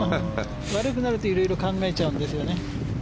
悪くなると色々考えちゃうんですよね。